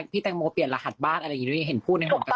พี่แตงโมเปลี่ยนรหัสบ้านอะไรอย่างนี้เห็นพูดในวงแพทย์